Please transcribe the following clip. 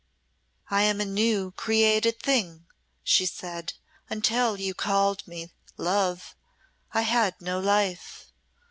"I am a new created thing," she said; "until you called me 'Love' I had no life!